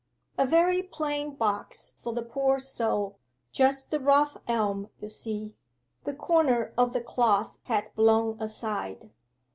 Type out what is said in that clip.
'A very plain box for the poor soul just the rough elm, you see.' The corner of the cloth had blown aside.